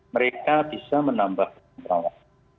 mereka bisa menambah ruang perawatan